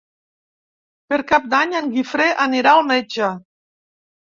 Per Cap d'Any en Guifré anirà al metge.